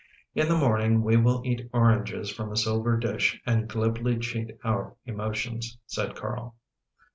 " In the morning we will eat oranges from a silver dish and glibly cheat our emotions," said Carl.